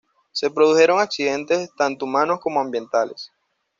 Se produjeron accidentes, tanto humanos como ambientales.